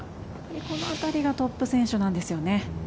この辺りがトップ選手なんですよね。